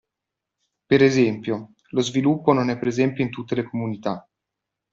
Per esempio, lo sviluppo non è presente in tutte le comunità.